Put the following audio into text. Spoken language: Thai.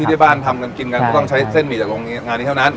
ที่บ้านทำกันกินกันก็ต้องใช้เส้นหมี่จากโรงงานนี้เท่านั้น